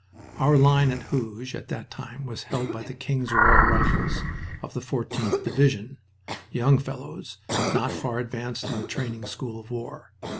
Our line at Hooge at that time was held by the King's Royal Rifles of the 14th Division, young fellows, not far advanced in the training school of war.